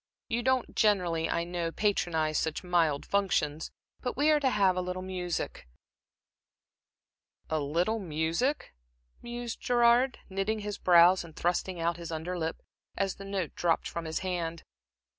You don't generally, I know, patronize such mild functions, but we are to have a little music" "A little music?" mused Gerard, knitting his brows and thrusting out his under lip, as the note dropped from his hand.